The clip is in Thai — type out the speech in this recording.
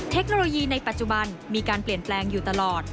เทคโนโลยีในปัจจุบันมีการเปลี่ยนแปลงอยู่ตลอด